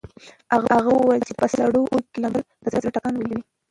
هغه وویل چې په سړو اوبو کې لامبېدل د زړه ټکان لوړوي.